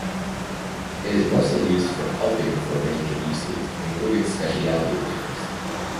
It is mostly used for pulping for a range of uses, including speciality papers.